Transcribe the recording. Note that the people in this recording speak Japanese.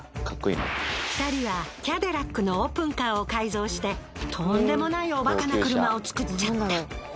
２人はキャデラックのオープンカーを改造してとんでもないおバカな車を作っちゃった。